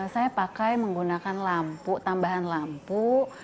saya pakai menggunakan lampu tambahan lampu